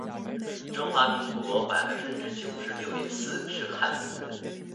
中华民国百分之九十六点四是汉族人